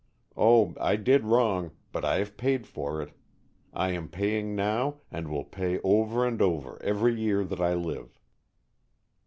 Oh, I did wrong, but I have paid for it. I am paying now, and will pay over and over every year that I live."